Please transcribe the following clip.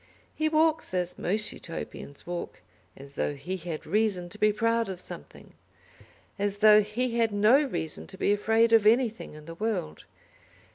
He walks, as most Utopians walk, as though he had reason to be proud of something, as though he had no reason to be afraid of anything in the world.